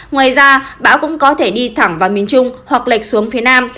ngoài ra bão cũng có thể đi thẳng vào miền trung hoặc lệch xuống phía nam